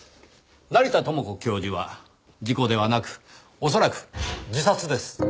成田知子教授は事故ではなく恐らく自殺です。